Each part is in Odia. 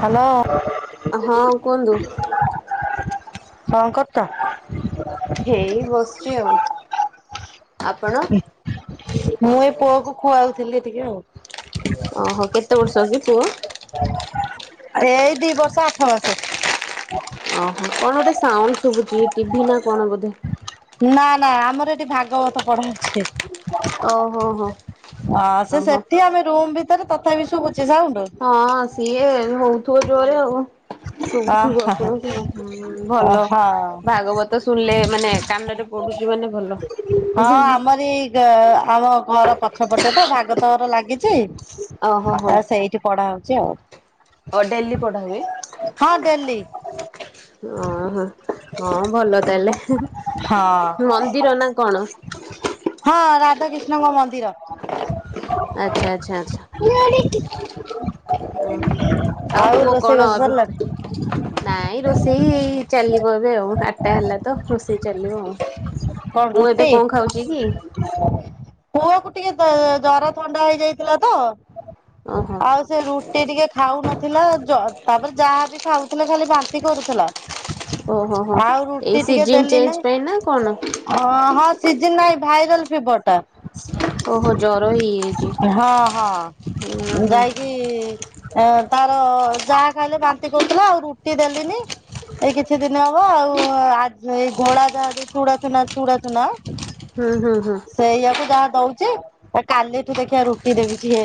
ହ୍ୟାଲୋ ହଁ କୁହନ୍ତୁ। ହଁ କଥା ହେଇ ବସିଛି ଆଉ। ଆପଣ? ମୁଁ ଏ ପୁଅକୁ ଖୁଆଉଥିଲି। ଟିକେ ଆଉ। ଓ ହୋ କେତେ କେତେ ବର୍ଷ କି ପୁଅ? ଏଇ ଦି ବର୍ଷ ଆଠ ମାସେ। ଓହୋ। କଣ ଗୋଟେ ସାଉଣ୍ଡ ଶୁଭୁଛି ଟିଭି ନା କଣ ବୋଧେ। ନା ନା ଆମର ଏଠି ଭାଗବତ ପଢାଉଛି ଓ ହୋ ହୋ। ହଁ ସେ ଓହୋ ସେଠି ଆମେ ରୁମ ଭିତ ରେ ତଥାପି ଶୁଭୁଚି ହଁ ସିଏ ହଉ ବ ଜୋରେ ଆଉ। ହଁ ଶୁଭୁଥିବ ଶୁଭୁଥିବ ହଁ ଭଲ ହଁ ଭାଗବତ ଶୁଣିଲେ ମାନେ କାନରେ ପଡୁଛି ମାନେ ଭଲ। ହଁ ଆମର ଏଇ ଆମ ଘର ପଛ ପଟେ ତ ଭାଗବତ ଘର ଲାଗିଛି ଓହୋ ହୋ ଛି ସେଇଠି ପଢା ହଉଛି ଆଉ। ଓ ଡେଲି ପଢାହୁଏ ହଁ ଡେଲି ଓହ ହଁ ଭଲ ତାହେଲେ ହଁ ମନ୍ଦିର ନା କଣ? ହଁ ରା ରାଧା କ୍ରୀଷ୍ଣ ଙ୍କ ମନ୍ଦିର। ଆଚ୍ଛା ଆଚ୍ଛା ଆଛା ଓ ଆଉ ପୁଅ କଣ ରୋଷେଇବାସ ଏବେ, ସରିଲାଣି? ନାଇଁ ରୋଷେଇ ଚାଲି ଏବେ ଆଉ ଆଟା ହେଲା ତ ରୋଷେଇ ଚାଲିବ ଆଉ। କଣ ପୁଅ ଏବେ ରୁଟି, କଣ ଖାଉଛି କି? ପୁଅକୁ ଟିକେ ଜର ଥଣ୍ଡା ହେଇଯାଇଥିଲା ତ ଓହୋ ଆଉ ସେ ରୁଟି ଟିକେ ଖାଉନଥିଲା ଜ ତାପରେ ଯାହାବ ଖାଉଥିଲେ ଖାଲି ବାନ୍ତି କରୁଥିଲା। ଓହୋ ହୋ ଆଉ ଏଇ ରୁଟି ଟିକେ ସିଜନ ଦେଲି ନାଇଁ ଚେଞ୍ଜ ପାଇଁ ନା କଣ? ହଁ ହଁ ସିଜ କି ନାଇଁ ଭାଇରାଲ ଫିବର ଟା। ଓହୋ ଜର ହେଇଯାଇଛି [inaudible] ହଁ ହଁ ଉଁ ହୁଁ ହୁଁ ଯାଇକି ଏ ତାର ଯାହା ଖାଇଲେ ବାନ୍ତି କରୁଥିଲା ଆଉ ରୁଟି ଦେଲିନି ଏଇ କିଛି ଦିନ ହବ ଆଉ ଏଇ ଗଳା ଯାହା ଯୋଉ ଚୁଡା ଚୁନା ଚୁଡ଼ା ଚୁନା ହୁଁ ହୁଁ ହୁଁ। ଦଉଛେ କାଲିଠୁ ଦେଖିବା ରୁଟି ଦେବୁଛି ହେ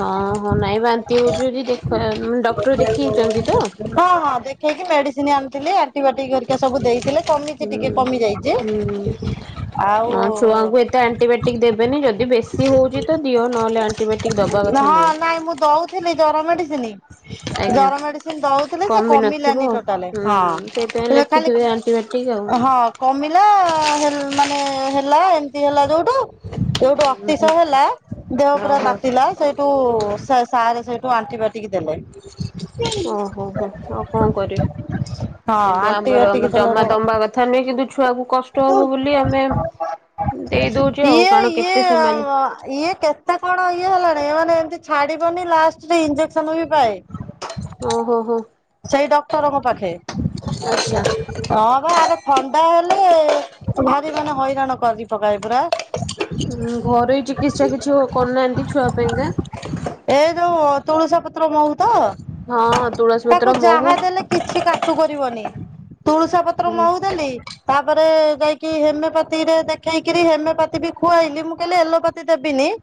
ହଁ ହଁ ନାଇଁ ବାନ୍ତି ହଉଛି, ଦେଖ ଡକ୍ଟର ଦେଖେଇଛନ୍ତି ତ? ଖାଇକି ମେଡିସିନ ଆଣିଥିଲି, ଆଣ୍ଟିିବାଟିକ କରିକା ସବୁ ଦେଇଥିଲେ। କମିଛି ଟିକେ ହୁଁ। କମି ଯାଇଛି। ଆଉ [inaudible] ଛୁଆଙ୍କୁ ଏତେ ଆଣ୍ଟିବାୟୋଟିକ ଦେବେନି ଯଦି ବେଶୀ ହଉଛି ତ ଦିଅ, ନହେଲେ ଆଣ୍ଟିବାୟୋଟିକ ଦବା କଥା ନୁହେଁ। ଜରା ମାଟିଥିଲି ଆଜ୍ଞା ଜର ମେଡିସିନ ଦଉଥିଲେ ସେ କମି ନଥିବ କମିଲାନି ଟୋଟାଲ ହୁଁ ସେଇଥିପାଇଁ ହଁ ଖାଲି ଲେଖିଥିବେ ଆଣ୍ଟିବାୟୋଟିକ ଆଉ ହଁ ମାନେ ହେଲା ଏମତି ହେଲା ଯୋଉଠୁ ଯଉଠୁ ଅତିଶ ହେଲା ଦେହ ପୁରା ହୁଁ ହୁଁ। ଓହୋ ତାତିଲା ସେଇଠୁ ସା ସ ସେଇଠୁ ଆଣ୍ଟିବାୟୋଟିକ ଦେଲେ। ଓହୋ ହୋ ଆଉ କଣ କରିବି ହଁ [inaudible] କିନ୍ତୁ ଆମର ଆମ ଆଣ୍ଟିବାୟୋଟିକ ଜମା ଦେଲାରୁ ତମ୍ବା କଥା ନୁହେଁ କିନ୍ତୁ ଛୁଆକୁ କଷ୍ଟ ହବ ବୋଲି ଆମେ ଦେଇ ଦଉଚେ [inaudible] ଆଉ ଇଏ କାରଣ କେତେ ଇଏ ସେମାନେ ଇଏ କେତେ କଣ ଇଏ ହେଲାଣି ମାନେ ତି ଛାଡିବନି ଲାଷ୍ଟରେ ଇଞ୍ଜେସନ ବି ପାଏ। ଓହୋ ହୋ। ଏଇ ଡକ୍ଟରଙ୍କ ପାଖେ। ଆଚ୍ଛା। [unintelligible] ଥଣ୍ଡା ହେଲେ ଭାରି ମାନେ ହଇରାଣ କରିିକି ପକଏ ପୁରା। ଘରେୋଇ ଚିକିତ୍ସା କିଛି କରୁନାହାନ୍ତି ଛୁଆ ପାଇଁକା। [inaudible] ଏ ଯୋଉ ତୁଳସା ପତ୍ର ମହୁ ତ? ହଁ ତୁଳସୀ ପତ୍ର ତାକୁ ମହୁ ଯାହା ଦେଲେ କିଛି କାଟୁ କରିବନି। ତୁଳସ ପତ୍ର ମହୁ ଦେଲି। ତାପରେ ଯାଇକି ହେମିଓପାଥିରେ ଦେଖେଇକରି ହେମିଓପାଥି ବି ଖୁଆଇଲି ମୁଁ କହିଲେ ଏଲୋପାଥି ଦେବିନି। [inaudible]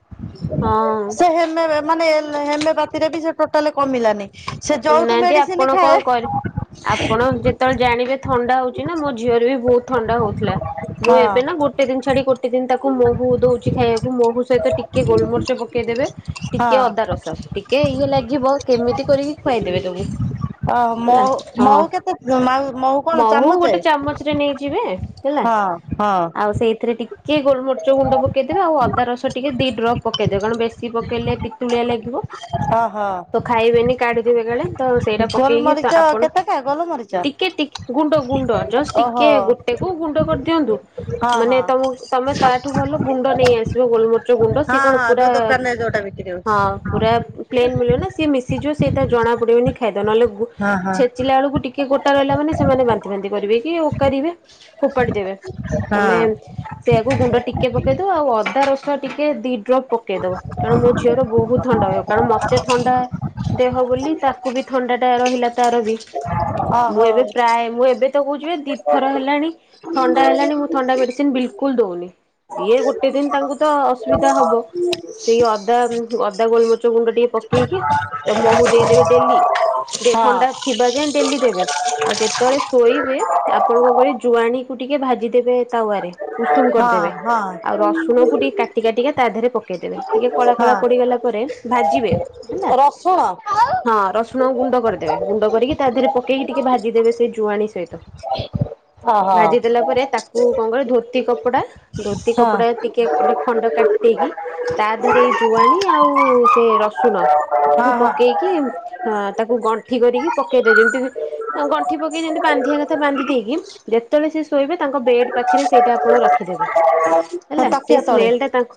ହଁ। ସେ ହେମ ମାନେ ଏ ହେମେପତିରେ ବି ସେ ଟୋଟାଲି କମିଲାନି। ସେ ଯୋଉ। ନାହାନ୍ତି ଆପଣ କଣ କରିବ ଆପଣ ଯେତେବେଳେ ଜାଣିବେ ଥଣ୍ଡା ହଉଛି। ନା ମୋ ଝିଅରେ ବି ବହୁତ ଥଣ୍ଡା ହଉଥିଲା ମୁଁ ହଁ ଏବେ ନା ଗୋଟେ ଦିନ ଛାଡି ଗୋଟେ ଦିନ ତାକୁ ମହୁ ଦଉଛି ଖାଇବାକୁ ମହୁ ସହିତ ଟିକେ ଗୋଲମରିଚ ପକେଇଦେବେ ହଁ ଟିକେ ଅଦା ରସ ଟିକେ ଇଏ ଲାଗିବ କେମିତି କରିକି ଖୁଆଇଦେବେ ତାକୁ ଅ ମୋ ହେଲା ମୋହୁ କେତେ ମ ମୋହୁ କଣ ଅ ହ ହୋ ଗୋଟେ ଚାମଚରେ ନେଇଯିବେ ହେଲା ହଁ ହଁ ଆଉ ସେଇଥିରେ ଟିକେ କିଏ ଗୋଲମଚ୍ଚ ଗୁଣ୍ଡ ପକେଇଦେବେ ଆଉ ଅଦା ରସ ଟିକେ ଦିଇ ଡ୍ରପ ପକେଇଦେବେ କଣ ବେଶୀ ପକେଇଲେ ପିତୁଳିଆ ଲାଗିବ ଅ ହଁ। ତ ଖାଇବେନି। କାଢିଦେବେ କାଳେ ତ ସେଇଟା ପକେଇକି ତ ଗୋଲମରିଚ ଆପଣ କେତେଟା ଗୋଲମରିଚ ଟିକେ ଗୁଣ୍ଡ ଗୁଣ୍ଡ ଜଷ୍ଟ ଓହୋ ଟିକେ ଗୋଟେକୁ ଗୁଣ୍ଡ କରିଦିଅନ୍ତୁ ହଁ ମାନେ ହଁ ତମ ତମେ ତାଠୁ ଭଲ ଗୁଣ୍ଡ ନେଇ ଆସିବ ଗୋଲମରିଚ ଗୁଣ୍ଡ ସିଏ ହଁ କଣ ହଁ ପୁରା ଯୋଉ ଦୋକାନରେ ଯୋଉଟା ବିକ୍ରି ହଉଛି। ହଁ ପୁରା ପ୍ଲେନ୍ ମିଳିବ ନା ସିଏ ମିଶିଯିବ ସେଇଟା ଜଣା ପଡିବନି ଖାଇଦବ ଗୁ ନହେଲେ ହଁ ହଁ ଛେଚିଲା ବେଳକୁ ଟିକେ ଗୋଟା ରହିଲା ମାନେ ସେମାନେ ବାନ୍ତି ଫାନ୍ତି କରିବେ କି ଓକାରିବେ। ଫୋପାଡି ଦେବେ ହଁ ତମେ ସେଆକୁ ଗୁଣ୍ଡ ଟିକେ ପକେଇଦବ ଆଉ ଅଦା ରସ ତ ଟିକେ ଦି ଡ୍ରପ ପକେଇଦବ କାରଣ ମୋ ଝିଅର ବହୁତ ଥଣ୍ଡା ରହିବ କାରଣ ମତେ ଥଣ୍ଡା ବୋଲି ତାକୁ ବି ଥଣ୍ଡା ଟା ରହିଲା ତାର ବି ମୁଁ ଓହୋ ଏବେ ପ୍ରାୟ ମୁଁ ଏବେ ତ କହୁଛି ଦିଇଥର ହେଲାଣି ଥଣ୍ଡା ହେଲାଣି ମୁଁ ଥଣ୍ଡା ମେଡିସିନ ବିଲକୁଲ ଦଉନି। ସିଏ ଗୋଟେ ଦିନ ତାଙ୍କୁ ତ ଅସୁବିଧା ହବ ସେଇ ଅଦା ଅଦା ଗୋଲମଚ ଗୁଣ୍ଡ ଟିକେ ପକେଇକି ତ ମହୁ ଦେଇଦେବେ ଡେଲି। ହଁ ଥଣ୍ଡା ଥିବା ଯାଏ ଡେଲି ଦେବେ ଆଉ ଯେତେବେଳେ ଶୋଇବେ ଆପଣ କଣ କରିବେ ଜୁଆଣି କୁ ଟିକେ ଭାଜିଦେବେ ତାୱରେ। ଉଷୁମ ହଁ କରିଦେବେ ହଁ ଆଉ ରସୁଣକୁ ଟିକେ କାଟି କାଟିକା ତା ଦେହରେ ପକେଇଦେବେ ଟିକେ କଳା କଳା ହଁ ପଡିଗଲା ପରେ ଭାଜିବେ ହେଲା। ରସୁଣ ହଁ ରସୁଣ ଗୁଣ୍ଡ କରିଦେବେ ଗୁଣ୍ଡ କରିକି ତା ଦେହରେ ପକେଇକି ଟିକେ ଭାଜିଦେବେ ସେ ଜୁଆଣି ସହିତ। ଓହୋ ଭାଜିଦେଲା ପରେ ତାକୁ କଣ କରିବେ ଧୋତି କପଡା ଧୋତି ହଁ କପଡା ଟିକେ ଗୋଟେ ଖଣ୍ଡ କାଟି ଦେଇେଇକି ତା ଦେହରେ ଏଇ ଜୁଆଣି ଆଉ ସେ ରସୁଣ ହଁ କୁ ହଁ ପକେଇକି ଆ ତାକୁ ଗଣ୍ ଠି କରିକି ପକେଇଦବେ ଯେମିତି ଗଣ୍ଠି ପକେଇ ଯେମିତି ବାନ୍ଧିବା କଥା ବାନ୍ଧି ଦେଇକି ଯେତେବେଳେ ସେ ଶୋଇବେ ତାଙ୍କ ବେଡ ପାଖରେ ସେଇଟା ଆପଣ ରଖିଦେବେ। ହେଲା ସେଇ ତକିଆ ତଳେ ସ୍ମେଲ ଟା ତାଙ୍କ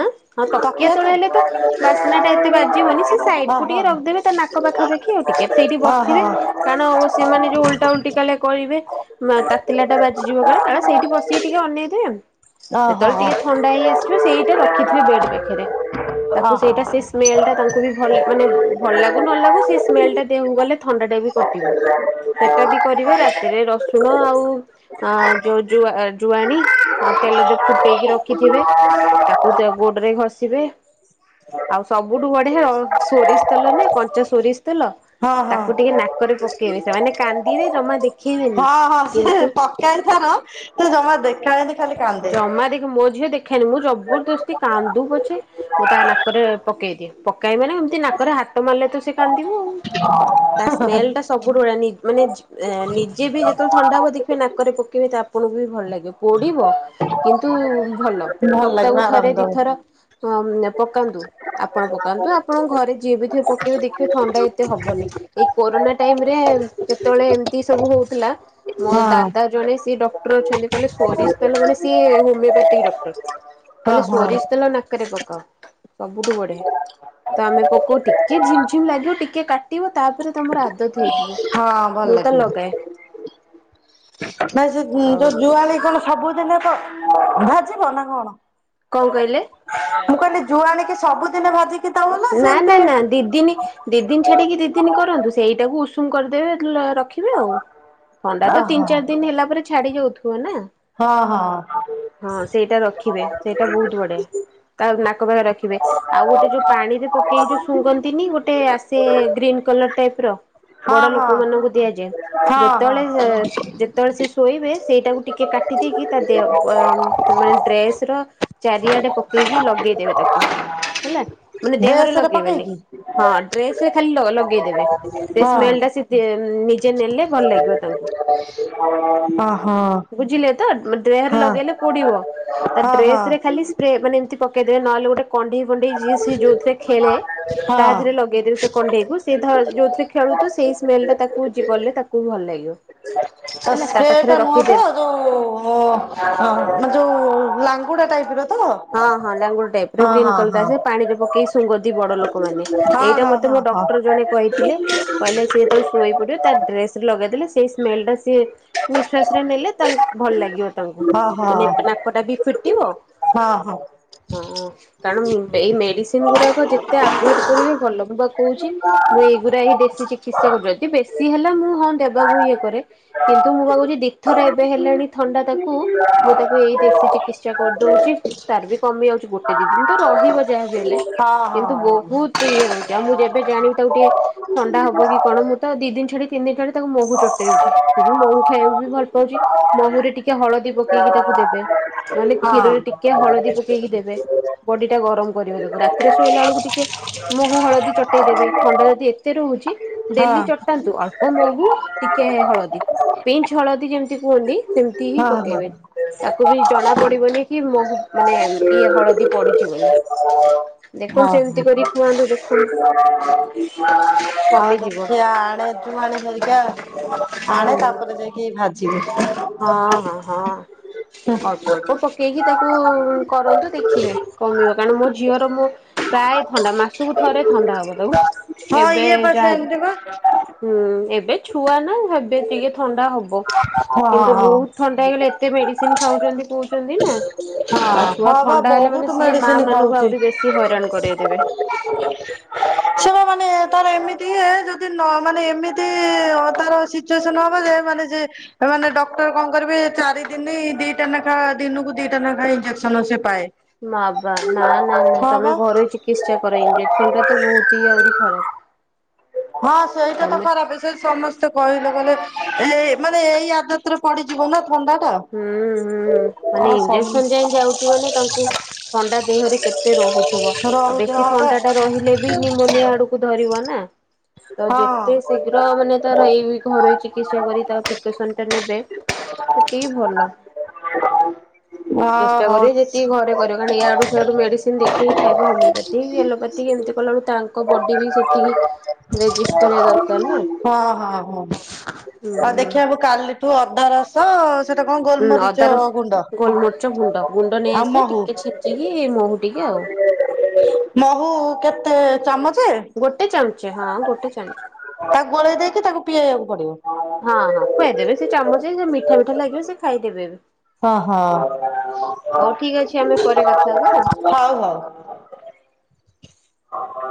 ଆ ଆଉ ତକିଆ ତଳେ ହେଲେ ତ ବାସ୍ନା ଟା ଏତେ ବାଜିବନି ସେ ସାଇଡ ହଁ ହୋଉ ହଁ ଟିକେ ରଖିଦେବେ ତା ନାକ ପାଖାପାଖି ଆଉ ଟିକେ ସେଇଠି ହଁ ହଁ ବସିବେ କାରଣ ଅବଶ୍ୟ ସେମାନେ ଯୋଉ ଓଲଟା ଓଲଟି କଲେ କହିବେ। ନା ତା ତାତିଲାଟା ବାଜିଯିବ ବଳେ କାଳେ ସେଇଠି ବସିକି ଟିକେ ଅନେଇବେ ଓହୋ ଓହୋ ଯେତେବେଳେ ଟିକେ ଥଣ୍ଡା ହେଇ ଆସିବ ସେଇଟା ରଖିଥିବେ ବେଡ୍ ପାଖରେ ତାକୁ ହଁ ସେଇଟା ସେ ସ୍ମେଲ ଟା ତାଙ୍କୁ ବି ଭଲ ଭଲ ଲାଗୁ ନ ଲାଗୁ ସେ ସ୍ମେଲ ଟା ଦେହ କୁ ଗଲେ ଥଣ୍ଡାଟା ବି କଟିବ। ସେଟା ବି [unintelligible] ଅ ଯୋଉ ଜୁଆଣୀ ଆଉ ତେଲଟେ ଫୁଟେଇକି ରଖିଥିବେ ତାକୁ ଗୋଡରେ ଘଷିବେ ଆଉ ସବୁଠୁ ବଢିଆ ଅ ସୋରିଷ ତଲରେ କଞ୍ଚା ସୋରିଷ ତେଲ ହଁ ତାକୁ ଟିକେ ନାକରେ ପକେଇବେ ସେମାନେ କାନ୍ଦିବେ ଜମା ଦେଖ ହଁ ହଁ ସେ ପକାଇ ତାର ସେ ଜମା ଦେଖାଏନି। ଖାଲି କାନ୍ଦେ ଜମା ଦେଖି ମୋ ଝିଅ ଦେଖ ହେଲେ ମୁଁ ଜବର ଦସ୍ତି କାନ୍ଦୁ ପଛେ ମୁଁ ତା ନାକରେ ପକେଇଦିଏ ପକେଇ ମାନେ ଏମତି ନାକରେ ହାତ ମାରିଲେ ତ ସେ କାନ୍ଦିବ ଆଉ। ତା ସ୍ମେଲ ଟା ସବୁ ପୁଡ଼ ଭଳି ମାନେ ନିଜେ ବି ଯେତେବେଳେ ଥଣ୍ଡା ହେବ ଦେଖିବେ ନାକରେ ପକାଇବେେ ତ ଆପଣଙ୍କୁ ବି ଭଲ ଲାଗିବ ପୋଡ଼ିବ। କିନ୍ତୁ ଭଲ ଭଲ ଲାଗିବ ସପ୍ତାହକୁ ଥରେ ଆରାମ ଦବ ଦିଇଥର ହଁ ପକାନ୍ତୁ‌। ଆପଣ ପକାନ୍ତୁ ଆପଣଙ୍କ ଘରେ ଯିଏ ବି ଥିବେ ପକେଇବେ ଦେଖିବେ ଥଣ୍ଡା ଏତେ ହବନି। କୋରୋନା ଟାଇମ ରେ ଯେତେବେଳେ ଏମତି ସବୁ ହଉଥିଲା। ମୋ ହଁ ଦାଦା ଜଣେ ସିଏ ଡକ୍ଟ ଅଛନ୍ତି। କଲେ ସୋରିଷ ସିଏ ହମିଓପାଥିକ ଡକ୍ଟର। ହଁ କହଲେ ହଁ ସୋରିଷ ତେଲ ନାକରେ ପକେଇ ସବୁଠୁ ବଢିଆ ତ ଆମେ ପକଉ ଟିକେ ଝିମ୍ ଝିମ୍ ଲାଗିବ ଟିକେ କାଟିବ ତାପରେ ତମର ଆଦତ ହେଇଯିବ। ହଁ ଭଲ ମୁଁ ତ ଲାଗିବ। ଲଗାଏ ନା ସେ ଆଉ ଯୋଉ ଯୁଆଳ କଣ ସବୁଦିନେ ତ। ଭାଜି ବନା କଣ? କଣ କହିଲେ? ମୁଁ କହିଲେ ଯୁଆଣେ କି ସବୁଦିନେ ଭାଜି ନା ନା ନା ଦିଇଦିନି। ଦି ଦିନ ଛାଡିକି ଦି ଦିନ କରନ୍ତୁ ସେଇଟାକୁ ଉଷୁମ କରିଦେବେ। ରଖିବେ ଆଉ ଥଣ୍ଡା ତ ଓହୋ। ତିନି ଚାରି ଦିନ ହେଲା ପରେ ଛାଡି ଯାଉଥିବ। କୁହ ନା। ହଁ ହଁ। ହଁ ସେଇଟା ରଖିବେ ସେଇଟା ବହୁତ ବଢିଆ। ତା ନାକ ରଖିବେ ଆଉ ଗୋଟେ ଯୋଉ। ପାଣିରେ ପକେଇକି ଯୋଉ ଶୁଘନ୍ତିନି ଗୋଟେ ଆସେ ଗ୍ରୀନ କଲର ଟାଇପ ର। ହଁ ବଡ ଲୋକ ହଁ ମାନଙ୍କୁ ଦିଆଯାଏ ହଁ ହଁ ଯେତେବେଳେ ଯେତେବେଳେ ସେ ଶୋଇବେ ସେଇଟାକୁ ଟିକେ କାଟି ଦେଇେଇକି ତା ଦେ ମାନେ ଡ୍ରେସ ର ଚାରିଆଡେ ପକେଇକି ଲଗେଇଦବେ ତାକୁ ହେଲା। ମାନେ ଦେହରେ ଡ୍ରେସ୍ ରେ ଲଗେଇବେନି ପକେଇକି? ହଁ ଡ୍ରେସରେ ଖାଲି ଲଗେଇଦେବେ। ସେ ହଁ ସ୍ମେଲ ଟା ସେ ନିଜେ ନେଲେ ଭଲ ଲାଗିବ ତାଙ୍କୁ ଓହୋ ହଁ ବୁଝିଲେ। ତ ଦେହରେ ଲଗେଇଲେ ପୋଡିବ ତା ହଁ ହଁ ଡ୍ରେସ ରେ ଖାଲି ସ୍ପ୍ରେ ମାନେ ଏମିତି ପ କେଦେବେ ନହେଲେ ଗୋଟେ। କଣ୍ଢେଇ ପଣ୍ଢେଇ ଜିସ୍ ଯୋଉଥିରେ ଖେଳେ ତା ହଁ। ଦେହରେ ଲଗେଇଥିଲେ ସେ କଣ୍ଢେଇକୁ ସେ ଯୋଉଥିରେ ଖେଳୁ ତ ସେଇ ସ୍ମେଲ ଟା ତାକୁ କଲେ ତାକୁ ଭଲ ଲାଗେ। ସ୍ପ୍ରେ ଟା ନୁହଁ ତ ରଖିଦେବେ ଯୋଉ ମାନେ ଯୋଉ କୁଡା ଟାଇପ୍ ର। ତ? ହଁ ହଁ ଲାଙ୍ଗୁଡ ଟାଇପ୍ ର ହଁ ଗ୍ରୀନ୍ ହଁ କଲର ହଁ ଆସେ ପାଣିରେ ପକେଇ ଶୁଙ୍ଘନ୍ତି ବଡ ଲୋକମାନେ। ହଁ ଏଇଟା ହଁ ମତେ ମୋ ହଁ ଡକ୍ଟର ଜଣେ କହିଥିଲେ। କହିଲେ ସିଏ ଯେତେବେଳେ ଶୁଇ ପଡିବ ତା ଡ୍ରେସ ରେ ଲଗେଇଦେଲେ ସେଇ ସ୍ମେଲ ଟା ସିଏ ନିଶ୍ଵାସ ରେ ନେଲେ ତା ଭଲ ଲାଗିବ ତାଙ୍କୁ। ହଁ ମାନେ ହଁ ନାକଟା ବି ଫିଟିବ। ହଁ ହଁ। ହଁ କାରଣ ଏଇ ମେଡିସିନ ଗୁଡାକ ଯେତେ ଆଭୁଏଡ୍ କରିବେ ଭଲ। ମୁଁ ବା କହୁଛି ମୁଁ ଏଇଗୁଡା ହି ଦେଶୀ ଚିକିତ୍ସା କରୁ ଯଦି ବେଶୀ ହେଲା ମୁଁ ହଁ ଦେ କୁ ଇଏ କରେ। କିନ୍ତୁ ମୁଁ ଭାବୁଛି ଦି ଥରେ ଏବେ ହେଲେଣି ଥଣ୍ଡା ହଁ ତାକୁ ମୁଁ ତାକୁ ଏଇ ହଁ ଦେଶୀ ହଁ। ଚିକିତ୍ସା ହଁ। କରିଦଉଛି। ତାର ବି କମି ଯାଉଛି ଗୋଟେ ଦି ଦିନ ତ ରହିବ ହଁ ଯାହା ବି ହେଲେ। ହଁ କିନ୍ତୁ ହଁ। ବହୁତ ଇଏ ରହୁଛି ଆଉ ମୁଁ ଯେବେ ଜାଣିବି ତାକୁ ଟିକେ ଓହୋ ହଉ ଥଣ୍ଡା ହବ ଦେଖିବା କି କଣ ଆଣେ ମୁଁ ତ ତୁ ଦି ଦିନ ଛାଡି ତିନି ଦିନ ଛା ତାକୁ ମହୁ ଚଟେଇଉଛି। ସେ ମହୁ ଖାଇବାକୁ ବି ଆଣି ଭଲ ପାଉଛି। ମହୁ ରେ ଟିକେ ହଳଦୀ ପକେଇକି ତାକୁ ଦେବେ ମାନେ କ୍ଷୀରରେ ଟିକେ ଟିକେ ହଳଦୀ ପକେଇକି ଦେବେ। ବଡି ଟା ଗରମ କରିବା ତାକୁ ରାତିରେ ଶୋଇଲା ବେଳକୁ ଟିକେ ମହୁ ହଳଦୀ ଚଟେଇ ଦେବେ। ଥଣ୍ଡା ଯଦି ଏତେ ରହୁଛି ଡେଲି ଚଟାନ୍ତୁ ଅଳ୍ପ ମହୁ। ଟିକେ ହଳଦୀ ପିଞ୍ଚ ହଳଦୀ ଯେମିତି କୁହନ୍ତି। ସେମିତି ହିଁ ପକେଇବେନି ତାକୁ ବି ଜଣା ପଡିବନି କି ମହୁ ହ ମାନେ ଇଏ ହଳଦୀ ପଡୁଛି ବୋଲି। ହ ଦେଖନ୍ତୁ ସେମିତି କରି ଖୁଆନ୍ତୁ ଦେଖନ୍ତୁ ହଉ କମିଯିବ ଦେଖିବା ଆଣେ ଯୁଆଣି। ଜରିକା। ଆଣେ ହୁଁ। ତାପରେ ଯାଇକି ଭାଜିବେ। ହଁ ହଁ ହଁ ଅଳ୍ପ ଅଳ୍ପ ପକେଇକି ତାକୁ କରନ୍ତୁ ଦେଖିବେ କମିବ। କାରଣ ମୋ ଝିଅର ମୁଁ ପ୍ରାୟ ଥଣ୍ଡା ମାସକୁ ଥରେ ଥଣ୍ଡା ହବ ତାକୁ। ହଁ ଏବେ ଇଏ ପା ଯାହାବଁ ସେମିତି ବା ଛୁଆ ନା ହେବେ ଟିକେ ଥଣ୍ଡା ହବ। ହଁ କିନ୍ତୁ ହ ବହୁତ ଥଣ୍ଡା ହେଇଗଲେ ଏତେ ମେଡିସିନ ଖାଉଛନ୍ତି କହୁଛନ୍ତି ନା। ହ ଆଉ ଛୁଆ ହଁ ବା ଥଣ୍ଡା ହେଲେ ମାନେ ବହୁତ ସିଏ ମା ମେଡିସିନି ମାନଙ୍କୁ ଖାଉଛି। ଆହୁରି ବେଶୀ ହଇରାଣ କରେଇଦେବେ। ସେଟା ମାନେ ତାର ଏମିତି ଟେ ଯଦି ନ ମାନେ ଏମିତି [inaudible] ତାର ସିଚୁଏସନ ହବ ଯେ ମାନେ ଯେ ମାନେ ଡକ୍ଟର କଣ କରିବେ ଚାରି ଦିନ ଦିଟା ଲେଖା ଦିନକୁ ଦିଟା ଲେଖା ଇଞ୍ଜେକ୍ସନ ସେ ପାଏ। ମାବା ନା ନା ନା ହଁ ତମେ ବା ଘରେ ଚିକିତ୍ସା କର। ଇଞ୍ଜେକ୍ସନ ଟା ତ ବହୁତ ହି ଆହୁରି ଖରାପ। ହଁ ସେଇଟା ତ ତମେ ଖରାପ ସେଇ ସମସ୍ତେ କହିଲେ ବଲେ। ଏ ମାନେ ଏଇ ଆଦତ ରେ ପଡିଯିବ ନା। ଥଣ୍ଡା ଟା। ହୁଁ ହୁଁ ମାନେ ଆଉ ସମ ଇଞ୍ଜେକ୍ସନ ଯାଇ ଯାଉଛି ମାନେ ତାଙ୍କୁ ଥଣ୍ଡା ଦେହରେ କେତେ ରହୁଥିବ। ଆଉ ରହୁଛି ବେଶୀ ହଁ ବା ଥଣ୍ଡା ଟା ରହିଲେ ବି ନିମୋନିଆ ଆଡକୁ ଧରିବ ନା। [inaudible] ତ ହଁ ଯେତେ ଶୀଘ୍ର ମାନେ ତାର ଏଇ ଘରୋଇ ଚିକିତ୍ସା କରି ତା ପ୍ରିକସନ ଟା ନେବେ। ସେତିକି ଭଲ ଅ ଚେଷ୍ଟା ହଉ। କରିବେ। ଯେତିକି ଘରେ କରିବ କ ଇଆଡୁ ସେଆଡୁ ମେଡିସିନ ଦେଖିକି ଖାଇବେ। ହୋମିଓପାଥି ଏଲୋପାଥି ଏମିତି କଲା ବେଳୁ ତାଙ୍କ ବଡି ବି ସେତିକି ରେଜିଷ୍ଟ ହଁ କରିବା ଦରକାର ନା ହଁ ହଁ ଆଉ ହୁଁ। ଦେଖିବାକୁ କାଲିଠୁ ଅ ଅଦା ରସ ସେଟା କଣ ହୁଁ ଗୋଲମରିଚ ଅଦା ରସ ଗୁଣ୍ଡ ଗୋଲମରିଚ ଗୁଣ୍ଡ ଗୁଣ୍ଡ ନେଇ ଆଉ ଆସିବେ ମହୁ ଟିକେ ଛେଚିକି ମହୁଟିକି ଆଉ। ମହୁ କେତେ? ଚାମଚ ଗୋଟେ ଚାମ ହଁ ଗୋଟେ ଚାମଚ। ତାକୁ ଗୋଳେଇ ଦେଇକି ତାକୁ ପିଆଇବାକୁ ପଡିବ। ହଁ ହଁ ଖୁଆଇଦେବେ ସେ ଚାମଚ ଯେ ମିଠା ମିଠା ଲାଗିବ ସେ ଖାଇଦେବେ ବି। ହଁ ହଁ ହଉ ଠିକ୍ ଅଛି ଆମେ ପରେ କଥା ହବା ଆଉ। ହଉ ହଉ। [inaudible]